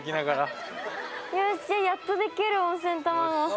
よしやっとできる温泉卵。